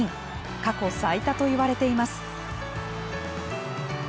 過去最多といわれています。